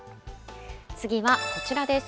次はこちらです。